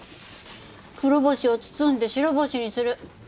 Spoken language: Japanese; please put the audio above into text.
黒星を包んで白星にする。